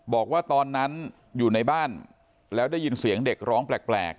บอกว่าตอนนั้นอยู่ในบ้านแล้วได้ยินเสียงเด็กร้องแปลก